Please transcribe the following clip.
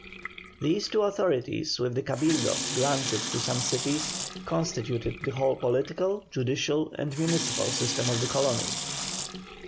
These two authorities, with the Cabildos granted to some cities, constituted the whole political, judicial, and municipal system of the colony.